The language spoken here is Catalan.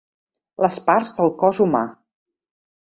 Les parts del cos humà.